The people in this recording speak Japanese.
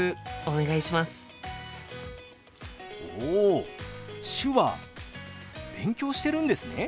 お手話勉強してるんですね。